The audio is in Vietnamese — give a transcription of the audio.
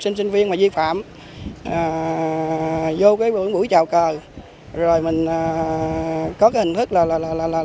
sinh sinh viên mà vi phạm vô cái buổi chào cờ rồi mình có cái hình thức là nhắc nhở phê bình để